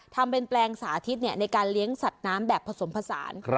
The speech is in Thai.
ทำเป็นแปลงสาธิตในการเลี้ยงสัตว์น้ำแบบผสมผสาน